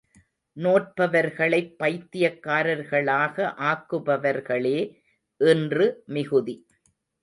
நோற்பவர்களைப் பைத்தியக்காரர்களாக ஆக்குபவர்களே இன்று மிகுதி.